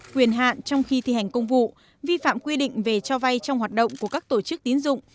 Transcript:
quyền hạn trong khi thi hành công vụ vi phạm quy định về cho vay trong hoạt động của các tổ chức tín dụng